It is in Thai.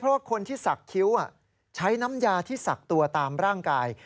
เพราะว่าคนที่สักคิ้วใช้น้ำยาที่ศักดิ์ตัวตามร่างกาย